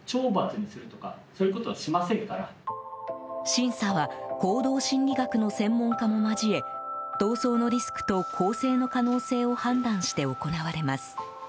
審査は行動心理学の専門家も交え逃走のリスクと更生の可能性を判断して行われます。